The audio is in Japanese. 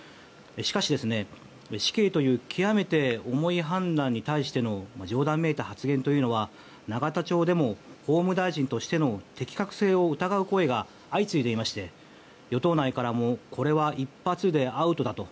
しかし、死刑という極めて重い判断に対しての冗談めいた発言というのは永田町でも、法務大臣としての適格性を疑う声が相次いでいまして与党内からもこれは一発でアウトだと。